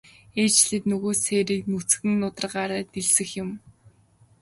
Ээлжлээд л нөгөө сээрийг нүцгэн нударгаараа дэлсэх юм.